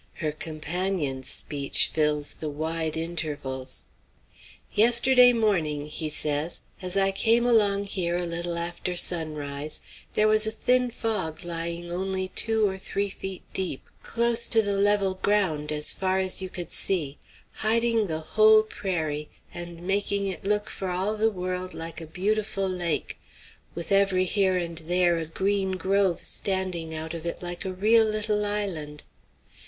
Her companion's speech fills the wide intervals. "Yesterday morning," he says, "as I came along here a little after sunrise, there was a thin fog lying only two or three feet deep, close to the level ground as far as you could see, hiding the whole prairie, and making it look for all the world like a beautiful lake, with every here and there a green grove standing out of it like a real little island."